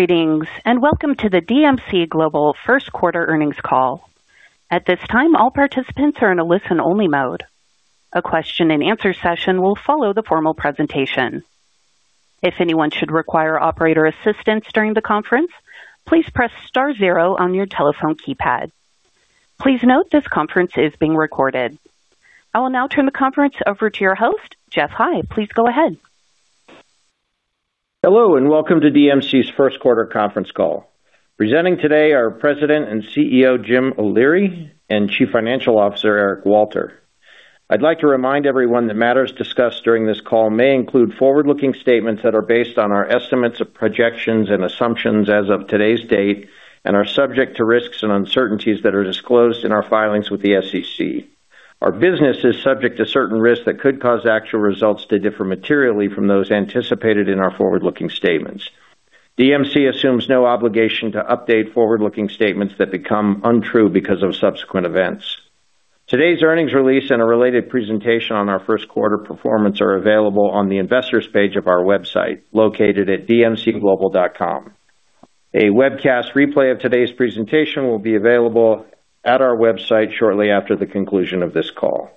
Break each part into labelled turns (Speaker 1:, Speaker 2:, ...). Speaker 1: Greetings, and welcome to the DMC Global Q1 Earnings Call. At this time, all participants are in a listen-only mode. A question-and-answer session will follow the formal presentation. If anyone should require operator assistance during the conference, please press star zero on your telephone keypad. Please note this conference is being recorded. I will now turn the conference over to your host, Geoff High. Please go ahead.
Speaker 2: Hello, and welcome to DMC's Q1 Conference Call. Presenting today are President and CEO, James O'Leary, and Chief Financial Officer, Eric Walter. I'd like to remind everyone that matters discussed during this call may include forward-looking statements that are based on our estimates of projections and assumptions as of today's date and are subject to risks and uncertainties that are disclosed in our filings with the SEC. Our business is subject to certain risks that could cause actual results to differ materially from those anticipated in our forward-looking statements. DMC assumes no obligation to update forward-looking statements that become untrue because of subsequent events. Today's earnings release and a related presentation on our Q1 performance are available on the investors page of our website, located at dmcglobal.com. A webcast replay of today's presentation will be available at our website shortly after the conclusion of this call.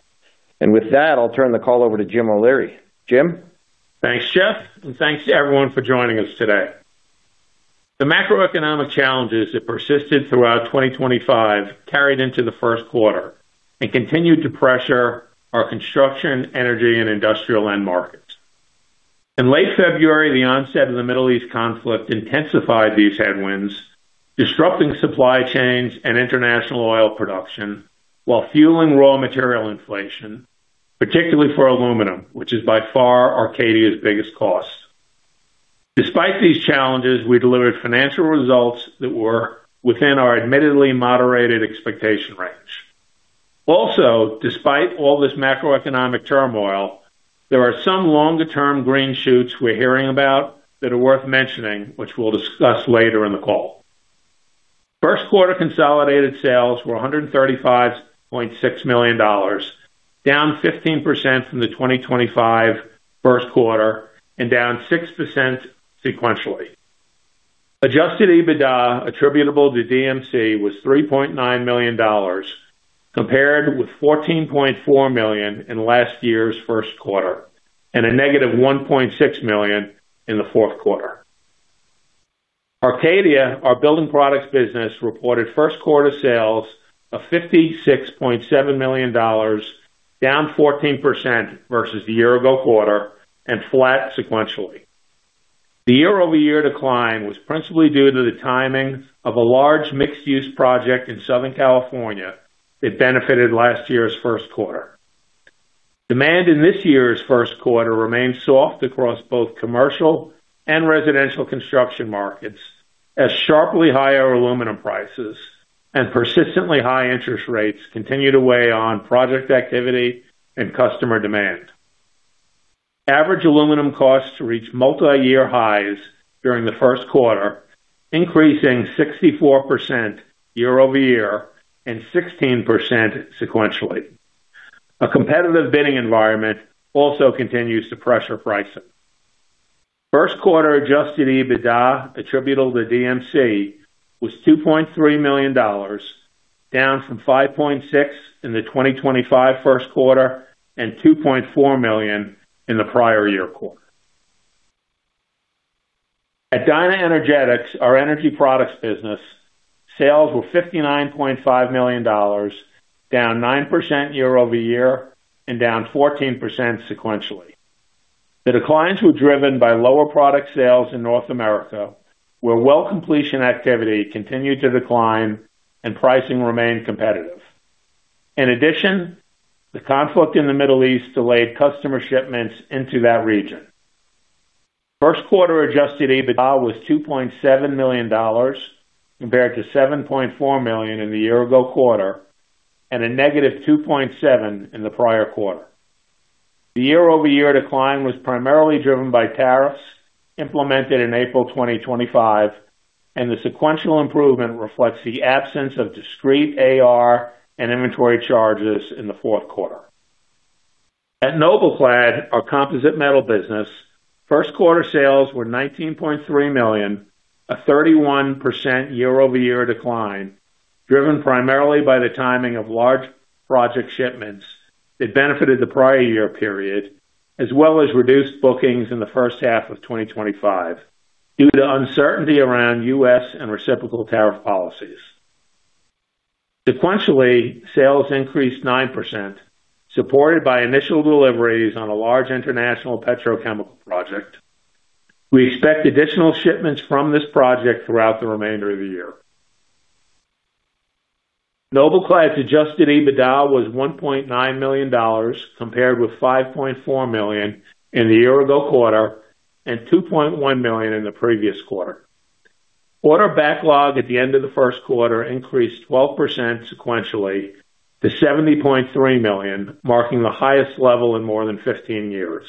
Speaker 2: With that, I'll turn the call over to James O'Leary. James?
Speaker 3: Thanks, Geoff, and thanks to everyone for joining us today. The macroeconomic challenges that persisted throughout 2025 carried into the Q1 and continued to pressure our construction, energy, and industrial end markets. In late February, the onset of the Middle East conflict intensified these headwinds, disrupting supply chains and international oil production while fueling raw material inflation, particularly for aluminum, which is by far Arcadia's biggest cost. Despite these challenges, we delivered financial results that were within our admittedly moderated expectation range. Also, despite all this macroeconomic turmoil, there are some longer-term green shoots we're hearing about that are worth mentioning, which we'll discuss later in the call. Q1 consolidated sales were $135.6 million, down 15% from the 2025 Q1 and down 6% sequentially. Adjusted EBITDA attributable to DMC was $3.9 million, compared with $14.4 million in last year's Q1, and a negative $1.6 million in the Q4. Arcadia, our building products business, reported Q1 sales of $56.7 million, down 14% versus the year ago quarter and flat sequentially. The year-over-year decline was principally due to the timing of a large mixed-use project in Southern California that benefited last year's Q1. Demand in this year's Q1 remained soft across both commercial and residential construction markets as sharply higher aluminum prices and persistently high interest rates continue to weigh on project activity and customer demand. Average aluminum costs reached multiyear highs during the Q1, increasing 64% year-over-year and 16% sequentially. A competitive bidding environment also continues to pressure pricing. Q1 adjusted EBITDA attributable to DMC was $2.3 million, down from $5.6 million in the 2025 Q1 and $2.4 million in the prior year quarter. At DynaEnergetics, our energy products business, sales were $59.5 million, down 9% year-over-year and down 14% sequentially. The declines were driven by lower product sales in North America, where well completion activity continued to decline and pricing remained competitive. In addition, the conflict in the Middle East delayed customer shipments into that region. Q1 adjusted EBITDA was $2.7 million, compared to $7.4 million in the year-ago quarter and a negative $2.7 million in the prior quarter. The year-over-year decline was primarily driven by tariffs implemented in April 2025, and the sequential improvement reflects the absence of discrete AR and inventory charges in the Q4. At NobelClad, our composite metal business, Q1 sales were $19.3 million, a 31% year-over-year decline, driven primarily by the timing of large project shipments that benefited the prior year period, as well as reduced bookings in the H1 of 2025 due to uncertainty around U.S. and reciprocal tariff policies. Sequentially, sales increased 9%, supported by initial deliveries on a large international petrochemical project. We expect additional shipments from this project throughout the remainder of the year. NobelClad's adjusted EBITDA was $1.9 million, compared with $5.4 million in the year-ago quarter and $2.1 million in the previous quarter. Order backlog at the end of the Q1 increased 12% sequentially to $70.3 million, marking the highest level in more than 15 years.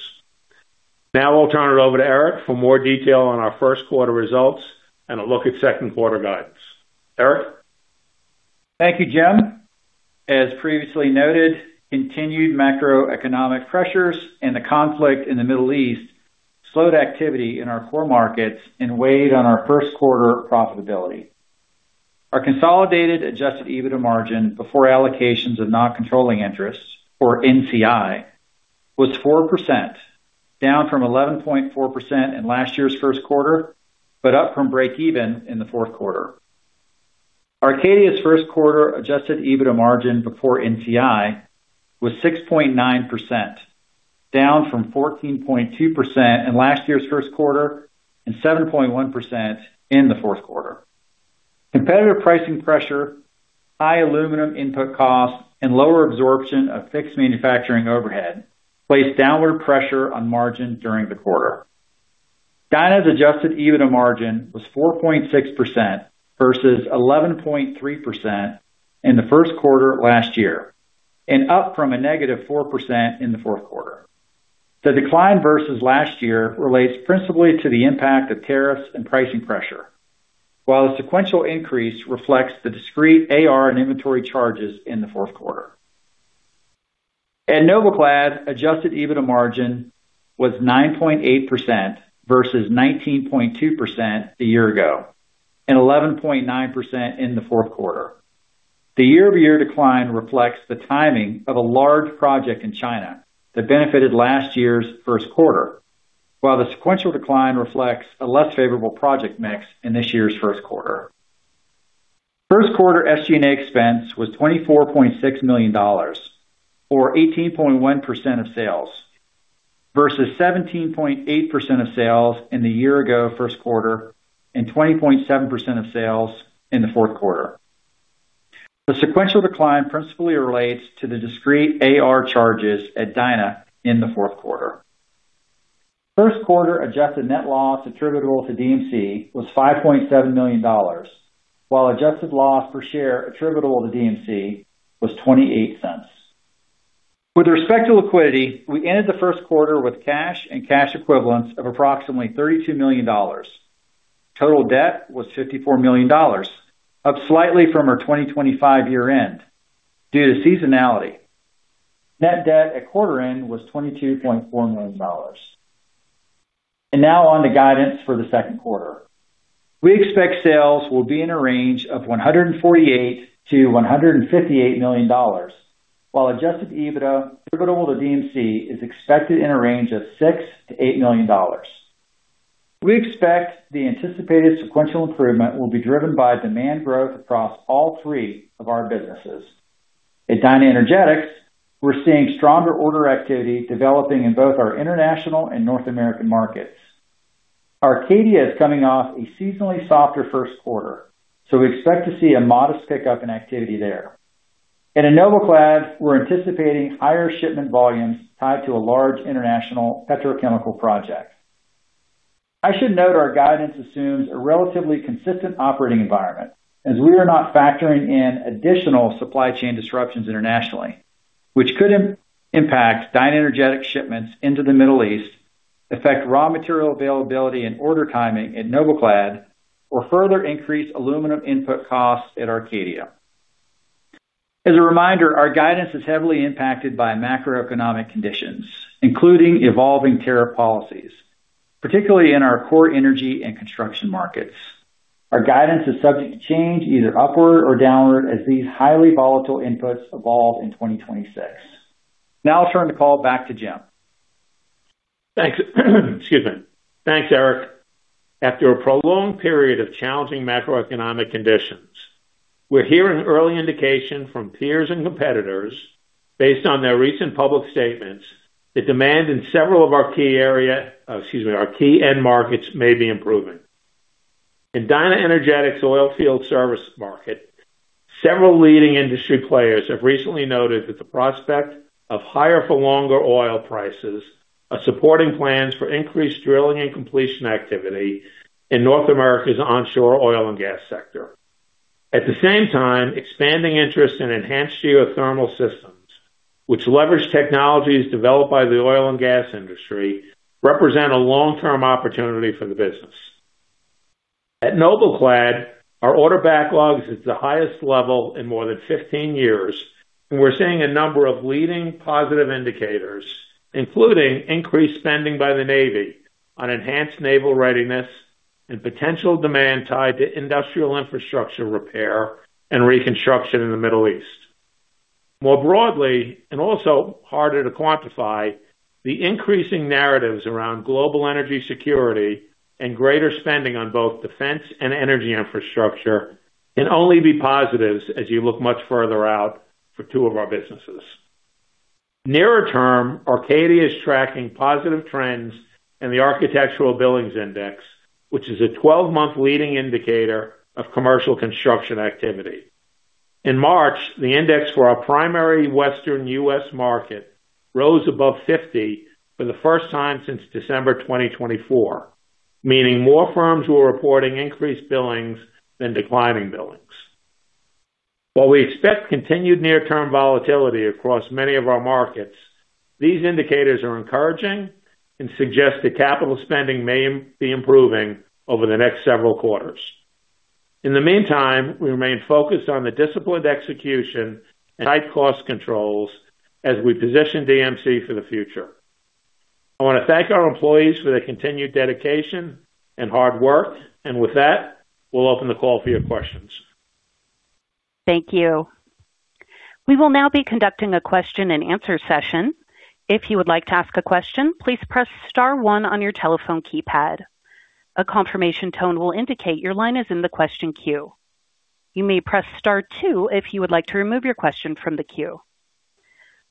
Speaker 3: Now I'll turn it over to Eric for more detail on our Q1 results and a look at Q2 guidance. Eric?
Speaker 4: Thank you, James. As previously noted, continued macroeconomic pressures and the conflict in the Middle East slowed activity in our core markets and weighed on our Q1 profitability. Our consolidated adjusted EBITDA margin before allocations of non-controlling interests, or NCI, was 4%, down from 11.4% in last year's Q1, but up from break even in the Q4. Arcadia's Q1 adjusted EBITDA margin before NCI was 6.9%, down from 14.2% in last year's Q1 and 7.1% in the Q4. Competitive pricing pressure, high aluminum input costs, and lower absorption of fixed manufacturing overhead placed downward pressure on margin during the quarter. Dyna's adjusted EBITDA margin was 4.6% versus 11.3% in the Q1 last year, and up from a -4% in the Q4. The decline versus last year relates principally to the impact of tariffs and pricing pressure. While the sequential increase reflects the discrete AR and inventory charges in the Q4. At NobelClad, adjusted EBITDA margin was 9.8% versus 19.2% a year ago, and 11.9% in the Q4. The year-over-year decline reflects the timing of a large project in China that benefited last year's Q1, while the sequential decline reflects a less favorable project mix in this year's Q1. Q1 SG&A expense was $24.6 million, or 18.1% of sales, versus 17.8% of sales in the year ago Q1 and 20.7% of sales in the Q4. The sequential decline principally relates to the discrete AR charges at Dyna in the Q4. Q1 adjusted net loss attributable to DMC was $5.7 million, while adjusted loss per share attributable to DMC was $0.28. With respect to liquidity, we ended the Q1 with cash and cash equivalents of approximately $32 million. Total debt was $54 million, up slightly from our 2025 year-end due to seasonality. Net debt at quarter end was $22.4 million. Now on to guidance for the Q2. We expect sales will be in a range of $148 million-$158 million, while adjusted EBITDA attributable to DMC is expected in a range of $6 million-$8 million. We expect the anticipated sequential improvement will be driven by demand growth across all three of our businesses. At DynaEnergetics, we're seeing stronger order activity developing in both our international and North American markets. Arcadia is coming off a seasonally softer Q1, so we expect to see a modest pickup in activity there. At NobelClad, we're anticipating higher shipment volumes tied to a large international petrochemical project. I should note our guidance assumes a relatively consistent operating environment as we are not factoring in additional supply chain disruptions internationally, which could impact DynaEnergetics shipments into the Middle East, affect raw material availability and order timing at NobelClad, or further increase aluminum input costs at Arcadia. As a reminder, our guidance is heavily impacted by macroeconomic conditions, including evolving tariff policies, particularly in our core energy and construction markets. Our guidance is subject to change either upward or downward as these highly volatile inputs evolve in 2026. I'll turn the call back to James.
Speaker 3: Thanks. Excuse me. Thanks, Eric. After a prolonged period of challenging macroeconomic conditions, we're hearing early indication from peers and competitors based on their recent public statements that demand in several of our key end markets may be improving. In DynaEnergetics oil field service market, several leading industry players have recently noted that the prospect of higher for longer oil prices are supporting plans for increased drilling and completion activity in North America's onshore oil and gas sector. At the same time, expanding interest in enhanced geothermal systems, which leverage technologies developed by the oil and gas industry, represent a long-term opportunity for the business. At NobelClad, our order backlogs is the highest level in more than 15 years, and we're seeing a number of leading positive indicators, including increased spending by the Navy on enhanced naval readiness and potential demand tied to industrial infrastructure repair and reconstruction in the Middle East. More broadly, and also harder to quantify, the increasing narratives around global energy security and greater spending on both defense and energy infrastructure can only be positives as you look much further out for two of our businesses. Nearer term, Arcadia is tracking positive trends in the Architectural Billings Index, which is a 12-month leading indicator of commercial construction activity. In March, the index for our primary Western U.S. market rose above 50 for the first time since December 2024, meaning more firms were reporting increased billings than declining billings. While we expect continued near-term volatility across many of our markets. These indicators are encouraging and suggest that capital spending may be improving over the next several quarters. In the meantime, we remain focused on the disciplined execution and tight cost controls as we position DMC for the future. I wanna thank our employees for their continued dedication and hard work. With that, we'll open the call for your questions.
Speaker 1: Thank you. We will now be conducting a question-and-answer session. If you would like to ask a question, please press star one on your telephone keypad. A confirmation tone will indicate your line is in the question queue. You may press star two if you would like to remove your question from the queue.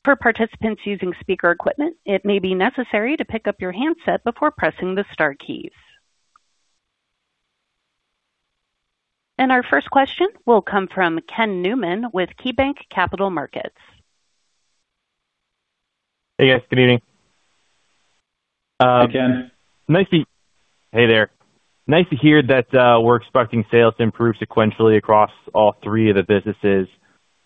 Speaker 1: For participants using speaker equipment, it may be necessary to pick up your handset before pressing the star keys. Our first question will come from Ken Newman with KeyBanc Capital Markets.
Speaker 5: Hey, guys. Good evening.
Speaker 3: Hey, Ken.
Speaker 5: Hey there. Nice to hear that we're expecting sales to improve sequentially across all three of the businesses.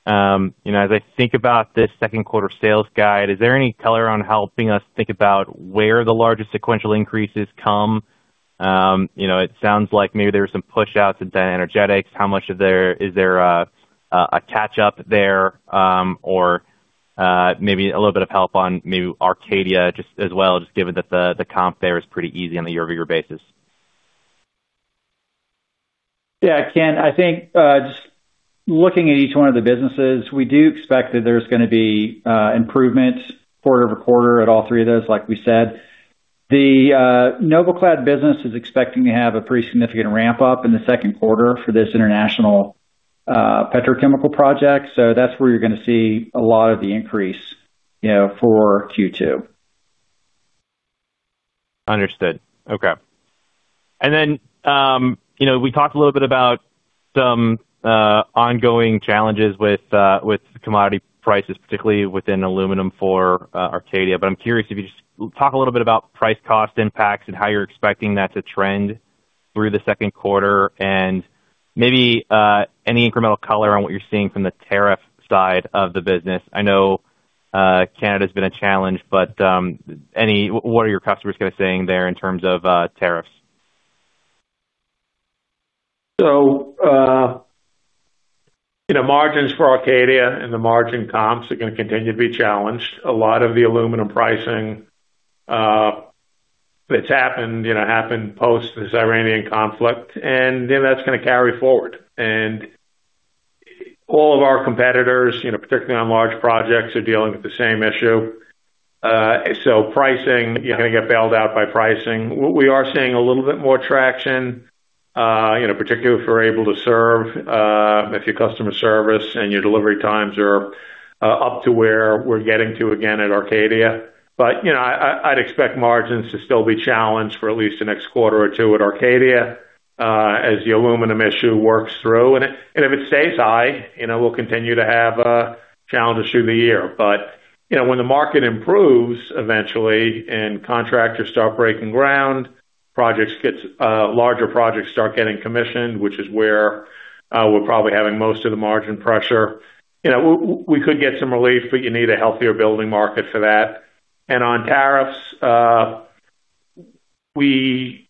Speaker 5: You know, as I think about this Q2 sales guide, is there any color on helping us think about where the largest sequential increases come? You know, it sounds like maybe there were some push outs at DynaEnergetics. Is there a catch up there, or maybe a little bit of help on maybe Arcadia just as well, just given that the comp there is pretty easy on a year-over-year basis.
Speaker 3: Ken, I think, just looking at each one of the businesses, we do expect that there's gonna be improvements quarter-over-quarter at all three of those, like we said. The NobelClad business is expecting to have a pretty significant ramp-up in the Q2 for this international petrochemical project. That's where you're gonna see a lot of the increase, you know, for Q2.
Speaker 5: Understood. Okay. You know, we talked a little bit about some ongoing challenges with commodity prices, particularly within aluminum for Arcadia. I'm curious if you just talk a little bit about price cost impacts and how you're expecting that to trend through the Q2 and maybe any incremental color on what you're seeing from the tariff side of the business. I know Canada's been a challenge, but what are your customers kind of saying there in terms of tariffs?
Speaker 3: You know, margins for Arcadia and the margin comps are gonna continue to be challenged. A lot of the aluminum pricing that's happened, you know, happened post this Iranian conflict, and, you know, that's gonna carry forward. All of our competitors, you know, particularly on large projects, are dealing with the same issue. Pricing, you're gonna get bailed out by pricing. We are seeing a little bit more traction, you know, particularly if we're able to serve, if your customer service and your delivery times are up to where we're getting to again at Arcadia. You know, I'd expect margins to still be challenged for at least the next quarter or two at Arcadia as the aluminum issue works through. If it stays high, you know, we'll continue to have challenges through the year. You know, when the market improves eventually and contractors start breaking ground, projects gets larger projects start getting commissioned, which is where we're probably having most of the margin pressure. You know, we could get some relief, but you need a healthier building market for that. On tariffs, we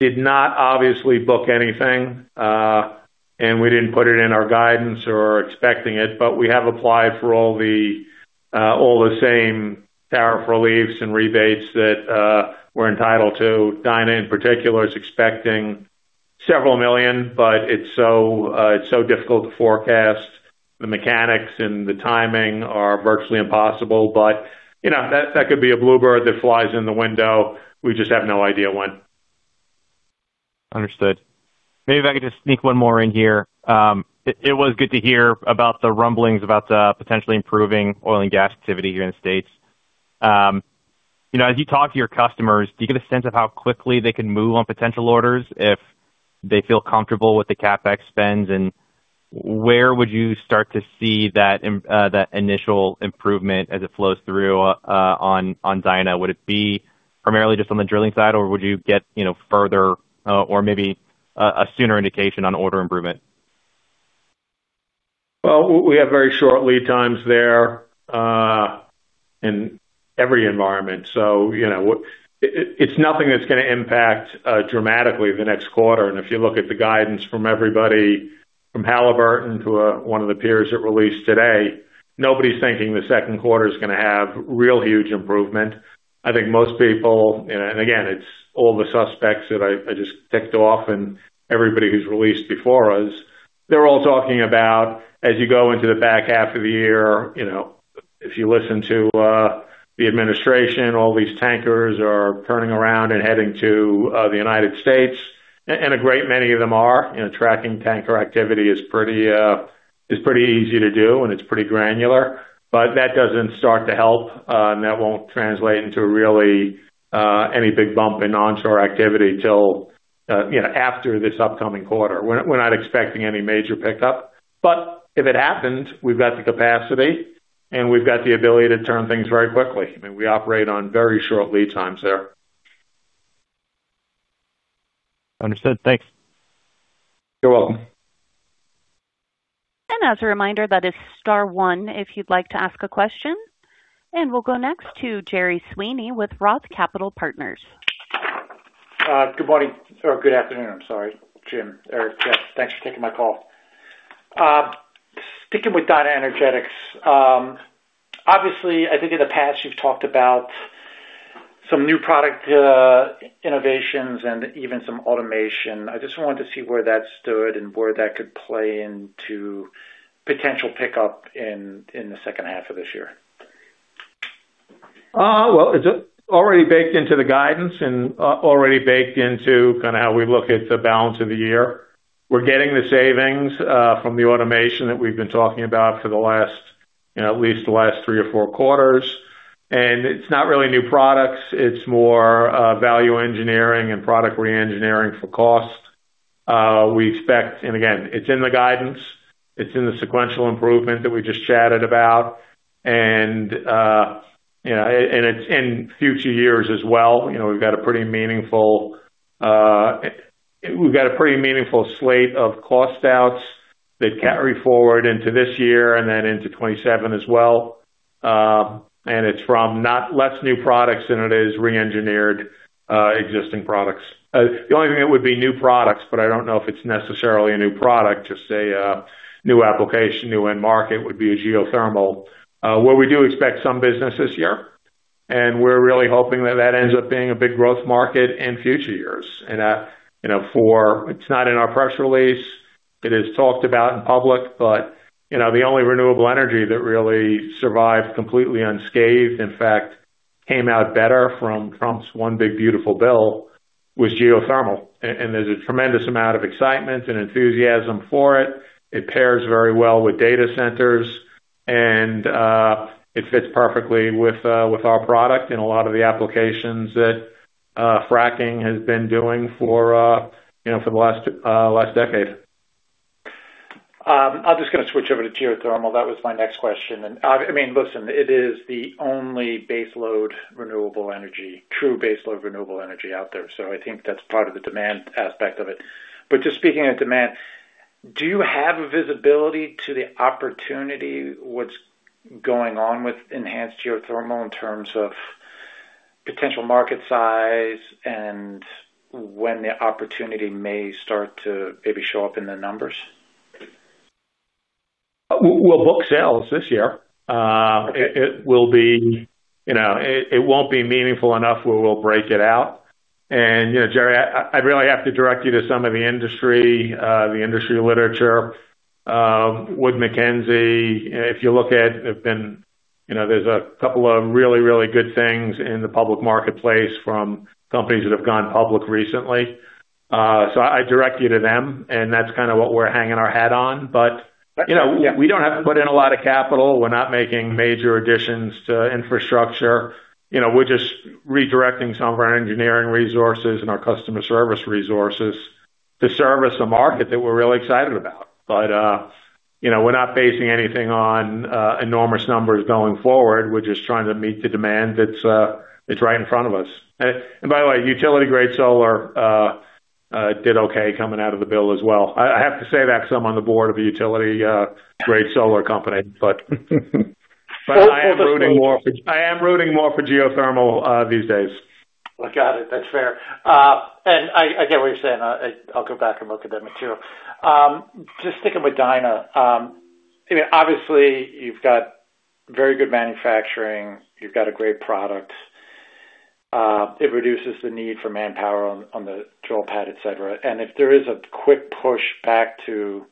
Speaker 3: did not obviously book anything, and we didn't put it in our guidance or are expecting it, but we have applied for all the same tariff reliefs and rebates that we're entitled to. Dyna, in particular, is expecting several million, but it's so difficult to forecast. The mechanics and the timing are virtually impossible. You know, that could be a bluebird that flies in the window. We just have no idea when.
Speaker 5: Understood. Maybe if I could just sneak one more in here. It was good to hear about the rumblings about the potentially improving oil and gas activity here in the U.S. You know, as you talk to your customers, do you get a sense of how quickly they can move on potential orders if they feel comfortable with the CapEx spends? Where would you start to see that initial improvement as it flows through on Dyna? Would it be primarily just on the drilling side, or would you get, you know, further, or maybe a sooner indication on order improvement?
Speaker 3: Well, we have very short lead times there, in every environment. You know, it's nothing that's gonna impact dramatically the next quarter. If you look at the guidance from everybody, from Halliburton to one of the peers that released today, nobody's thinking the Q2 is gonna have real huge improvement. I think most people, and again, it's all the suspects that I just ticked off and everybody who's released before us, they're all talking about as you go into the back half of the year, you know, if you listen to the administration, all these tankers are turning around and heading to the United States. A great many of them are. You know, tracking tanker activity is pretty, is pretty easy to do, it's pretty granular. That doesn't start to help, and that won't translate into really any big bump in onshore activity till, you know, after this upcoming quarter. We're not expecting any major pickup. If it happens, we've got the capacity, and we've got the ability to turn things very quickly. I mean, we operate on very short lead times there.
Speaker 5: Understood. Thanks.
Speaker 3: You're welcome.
Speaker 1: As a reminder, that is star one if you'd like to ask a question. We'll go next to Gerard Sweeney with ROTH Capital Partners.
Speaker 6: Good morning or good afternoon, I'm sorry, James or Geoff. Thanks for taking my call. Sticking with DynaEnergetics, obviously, I think in the past you've talked about some new product innovations and even some automation. I just wanted to see where that stood and where that could play into potential pickup in the H2 of this year.
Speaker 3: Well, it's already baked into the guidance and already baked into kind of how we look at the balance of the year. We're getting the savings from the automation that we've been talking about for the last, you know, at least the last three or four quarters. It's not really new products, it's more value engineering and product re-engineering for cost. Again, it's in the guidance, it's in the sequential improvement that we just chatted about. You know, it's in future years as well. You know, we've got a pretty meaningful slate of cost outs that carry forward into this year and then into 2027 as well. It's from not less new products than it is re-engineered existing products. The only thing that would be new products, but I don't know if it's necessarily a new product, just a new application, new end market would be a geothermal. Where we do expect some business this year, and we're really hoping that that ends up being a big growth market in future years. You know, it's not in our press release, it is talked about in public. You know, the only renewable energy that really survived completely unscathed, in fact, came out better from Trump's One Big Beautiful Bill was geothermal. There's a tremendous amount of excitement and enthusiasm for it. It pairs very well with data centers and it fits perfectly with our product in a lot of the applications that fracking has been doing for, you know, for the last decade.
Speaker 6: I'm just gonna switch over to geothermal. That was my next question. Listen, it is the only base load renewable energy, true base load renewable energy out there. I think that's part of the demand aspect of it. Just speaking of demand, do you have a visibility to the opportunity, what's going on with enhanced geothermal in terms of potential market size and when the opportunity may start to maybe show up in the numbers?
Speaker 3: We'll book sales this year. You know, it won't be meaningful enough where we'll break it out. You know, Gerard, I'd really have to direct you to some of the industry literature. Wood Mackenzie, if you look at, you know, there's a couple of really, really good things in the public marketplace from companies that have gone public recently. I direct you to them, and that's kinda what we're hanging our hat on. You know, we don't have to put in a lot of capital. We're not making major additions to infrastructure. You know, we're just redirecting some of our engineering resources and our customer service resources to service a market that we're really excited about. You know, we're not basing anything on enormous numbers going forward. We're just trying to meet the demand that's right in front of us. By the way, utility-grade solar did okay coming out of the bill as well. I have to say that because I'm on the board of a utility grade solar company, but I am rooting more for geothermal these days.
Speaker 6: I got it. That's fair. I get what you're saying. I'll go back and look at that material. Just sticking with Dyna. I mean, obviously you've got very good manufacturing. You've got a great product. It reduces the need for manpower on the drill pad, et cetera. If there is a quick push back to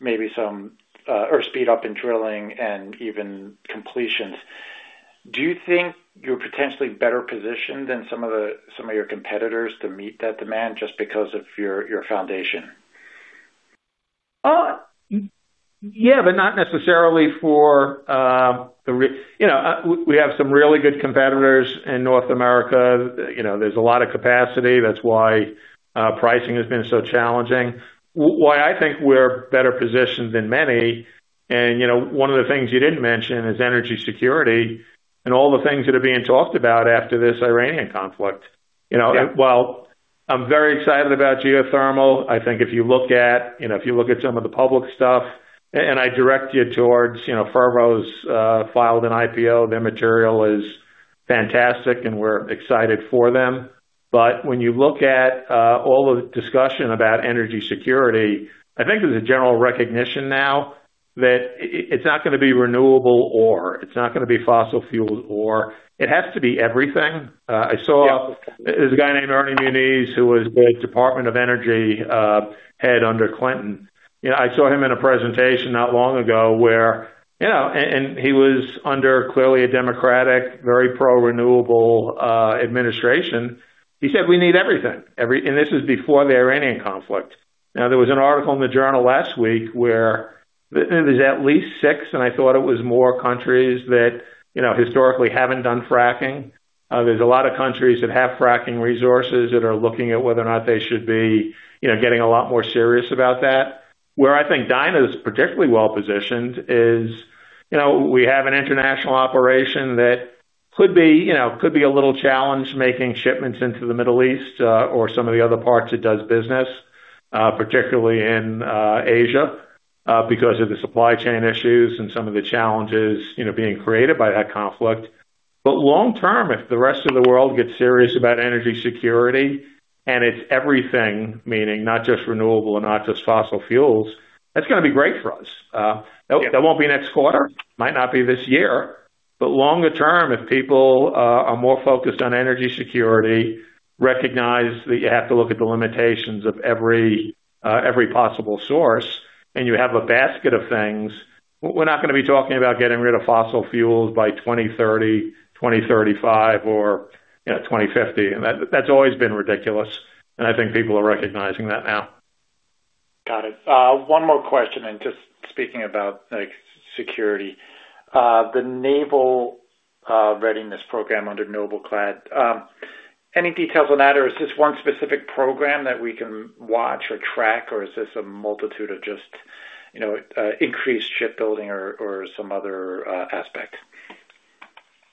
Speaker 6: maybe some or speed up in drilling and even completions, do you think you're potentially better positioned than some of your competitors to meet that demand just because of your foundation?
Speaker 3: Yeah, not necessarily for, you know, we have some really good competitors in North America. You know, there's a lot of capacity. That's why pricing has been so challenging. Why I think we're better positioned than many, and, you know, one of the things you didn't mention is energy security and all the things that are being talked about after this Iranian conflict.
Speaker 6: Yeah.
Speaker 3: While I'm very excited about geothermal, I think if you look at, you know, if you look at some of the public stuff, and I direct you towards, you know, Fervo's filed an IPO. Their material is fantastic. We're excited for them. When you look at all the discussion about energy security, I think there's a general recognition now that it's not gonna be renewable or it's not gonna be fossil fuels or it has to be everything.
Speaker 6: Yeah.
Speaker 3: There's a guy named Ernest Moniz, who was the Department of Energy head under Obama. You know, I saw him in a presentation not long ago where, you know he was under clearly a Democratic, very pro-renewable administration. He said, "We need everything." This was before the Iranian conflict. Now, there was an article in the journal last week where there's at least six, and I thought it was more countries that, you know, historically haven't done fracking. There's a lot of countries that have fracking resources that are looking at whether or not they should be, you know, getting a lot more serious about that. Where I think Dyna is particularly well-positioned is, you know, we have an international operation that could be, you know, could be a little challenge making shipments into the Middle East, or some of the other parts it does business, particularly in Asia, because of the supply chain issues and some of the challenges, you know, being created by that conflict. Long term, if the rest of the world gets serious about energy security, and it's everything, meaning not just renewable and not just fossil fuels, that's gonna be great for us. That won't be next quarter, might not be this year. Longer term, if people are more focused on energy security, recognize that you have to look at the limitations of every possible source, and you have a basket of things, we're not gonna be talking about getting rid of fossil fuels by 2030, 2035 or, you know, 2050. That's always been ridiculous, and I think people are recognizing that now.
Speaker 6: Got it. One more question. Just speaking about, like, security, the naval readiness program under NobelClad. Any details on that? Or is this one specific program that we can watch or track, or is this a multitude of just, you know, increased shipbuilding or some other aspect?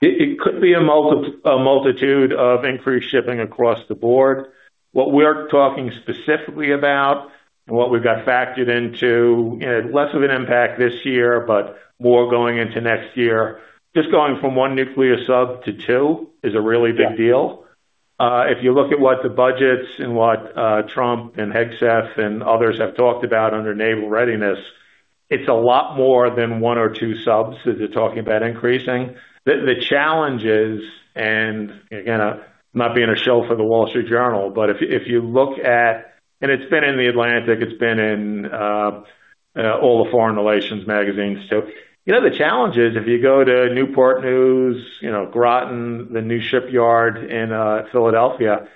Speaker 3: It could be a multitude of increased shipping across the board. What we're talking specifically about and what we've got factored into, less of an impact this year, but more going into next year. Just going from one nuclear sub to two is a really big deal. If you look at what the budgets and what Trump and Hegseth and others have talked about under naval readiness, it's a lot more than one or two subs that they're talking about increasing. The challenge is, again, I'm not being a shill for The Wall Street Journal, but if you look at it's been in The Atlantic, it's been in all the foreign relations magazines too. You know, the challenge is if you go to Newport News, you know, Groton, the new shipyard in Philadelphia,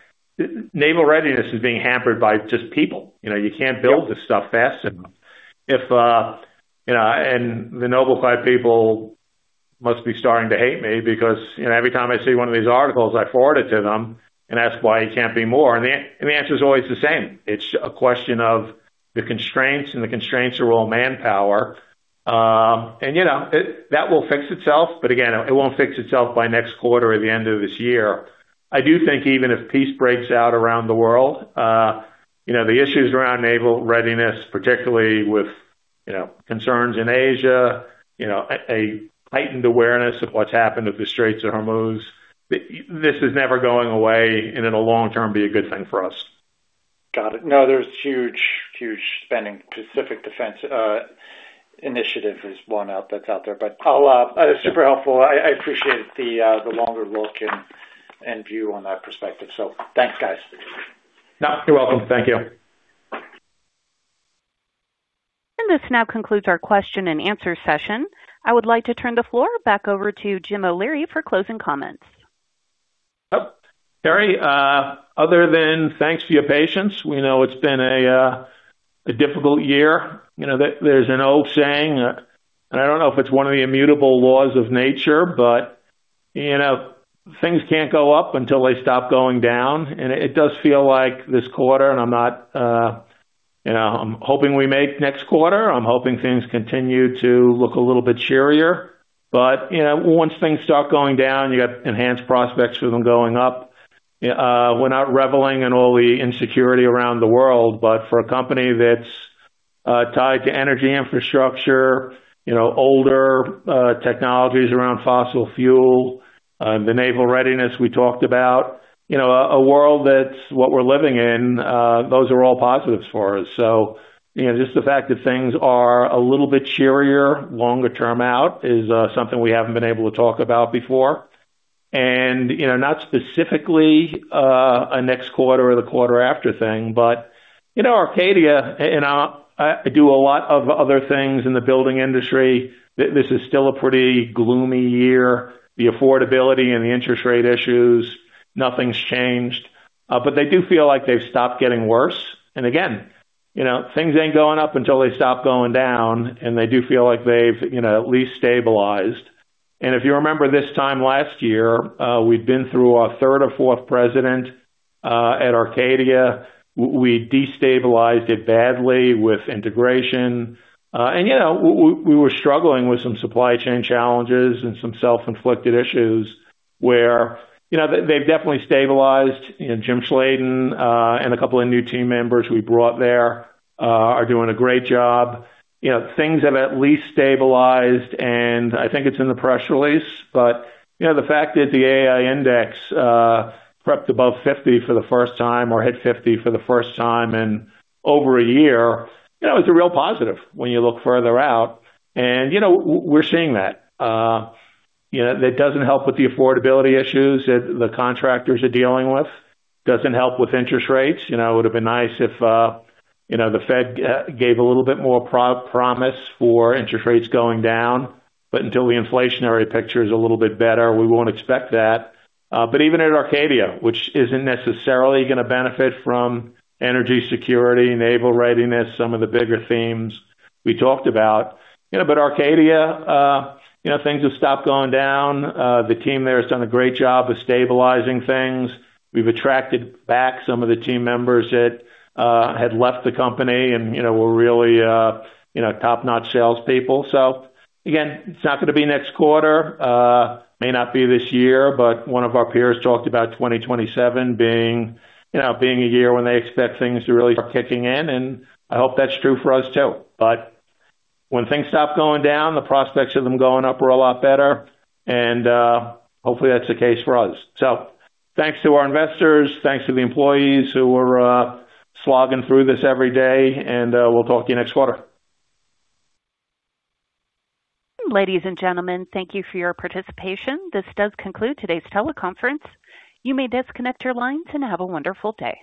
Speaker 3: naval readiness is being hampered by just people. You know, you can't build this stuff fast enough. If, you know, the NobelClad people must be starting to hate me because, you know, every time I see one of these articles, I forward it to them and ask why it can't be more. The answer is always the same. It's a question of the constraints, and the constraints are all manpower. You know, that will fix itself. Again, it won't fix itself by next quarter or the end of this year. I do think even if peace breaks out around the world, you know, the issues around naval readiness, particularly with, you know, concerns in Asia, you know, a heightened awareness of what's happened at the Strait of Hormuz, this is never going away, and it'll long term be a good thing for us.
Speaker 6: Got it. No, there's huge, huge spending. Pacific Deterrence Initiative is one out that's out there. Super helpful. I appreciate the longer look and view on that perspective. Thanks, guys.
Speaker 3: No, you're welcome. Thank you.
Speaker 1: This now concludes our question-and-answer session. I would like to turn the floor back over to James O'Leary for closing comments.
Speaker 3: Yep. Larry, other than thanks for your patience, we know it's been a difficult year. You know, there's an old saying, I don't know if it's one of the immutable laws of nature, but, you know, things can't go up until they stop going down. It does feel like this quarter, and I'm not, you know, I'm hoping we make next quarter. I'm hoping things continue to look a little bit cheerier. You know, once things start going down, you got enhanced prospects for them going up. We're not reveling in all the insecurity around the world, but for a company that's tied to energy infrastructure, you know, older technologies around fossil fuel, the naval readiness we talked about, you know, a world that's what we're living in, those are all positives for us. You know, just the fact that things are a little bit cheerier longer term out is something we haven't been able to talk about before. You know, not specifically a next quarter or the quarter after thing, but, you know, Arcadia, and I do a lot of other things in the building industry. This is still a pretty gloomy year. The affordability and the interest rate issues, nothing's changed. But they do feel like they've stopped getting worse. Again, you know, things ain't going up until they stop going down, and they do feel like they've, you know, at least stabilized. If you remember this time last year, we'd been through our third or fourth president at Arcadia. We destabilized it badly with integration. You know, we were struggling with some supply chain challenges and some self-inflicted issues where, you know, they've definitely stabilized. You know, Jim Schladen and a couple of new team members we brought there are doing a great job. You know, things have at least stabilized, and I think it's in the press release. You know, the fact that the ABI index prepped above 50 for the first time or hit 50 for the first time in over a year, you know, it's a real positive when you look further out. You know, we're seeing that. You know, that doesn't help with the affordability issues that the contractors are dealing with, doesn't help with interest rates. You know, it would have been nice if, you know, the Fed gave a little bit more promise for interest rates going down. Until the inflationary picture is a little bit better, we won't expect that. Even at Arcadia, which isn't necessarily gonna benefit from energy security, naval readiness, some of the bigger themes we talked about. Arcadia, things have stopped going down. The team there has done a great job of stabilizing things. We've attracted back some of the team members that had left the company and were really top-notch salespeople. Again, it's not gonna be next quarter. May not be this year, one of our peers talked about 2027 being a year when they expect things to really start kicking in, and I hope that's true for us too. When things stop going down, the prospects of them going up are a lot better. Hopefully, that's the case for us. Thanks to our investors, thanks to the employees who are, slogging through this every day, and, we'll talk to you next quarter.
Speaker 1: Ladies and gentlemen, thank you for your participation. This does conclude today's teleconference. You may disconnect your lines and have a wonderful day.